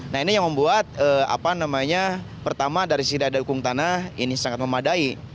nah ini yang membuat apa namanya pertama dari sisi daya dukung tanah ini sangat memadai